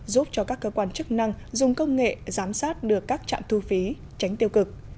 giúp cho các cơ quan chức năng dùng công nghệ giám sát được các trạm thu phí tránh tiêu cực